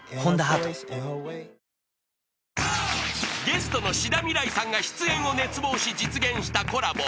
［ゲストの志田未来さんが出演を熱望し実現したコラボ